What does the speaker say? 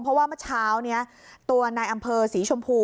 เพราะว่าเมื่อเช้านี้ตัวนายอำเภอศรีชมพู